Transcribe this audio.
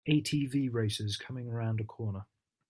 ATV racers coming around a corner.